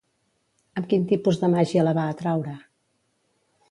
Amb quin tipus de màgia la va atraure?